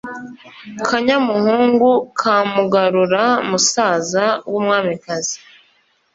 Kanyamuhungu ka Mugarura musaza w’umwamikazi